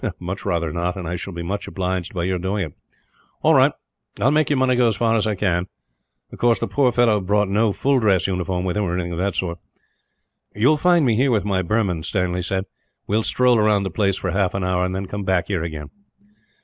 "Much rather not, and I shall be much obliged by your doing it." "All right. I will make your money go as far as I can. Of course, the poor fellow brought no full dress uniform with him, or anything of that sort." "You will find me here with my Burman," Stanley said. "We will stroll round the place for half an hour, and then come back here again."